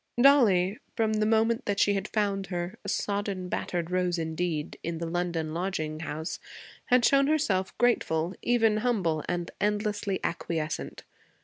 Dollie, from the moment that she had found her, a sodden, battered rose indeed, in the London lodging house, had shown herself grateful, even humble, and endlessly acquiescent.